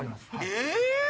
え⁉